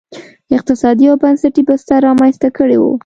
اقتصادي او بنسټي بستر رامنځته کړی و.